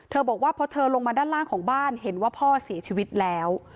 บอกว่าพอเธอลงมาด้านล่างของบ้านเห็นว่าพ่อเสียชีวิตแล้ว